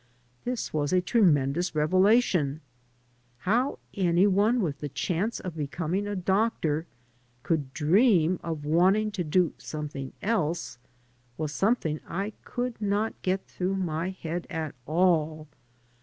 This was a tremendous revelation. How any one with the chance of becoming a doctor could dream of wanting to do something else was something I could not get through my head at all.